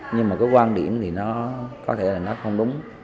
nhưng mà cái quan điểm thì nó có thể là nó không đúng